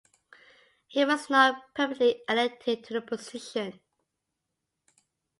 He was not permanently elected to the position.